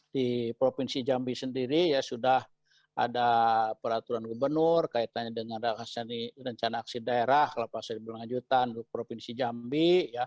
di provinsi jambi sendiri sudah ada peraturan gubernur kaitannya dengan rencana aksi daerah kelapa sari berlanjutan provinsi jambi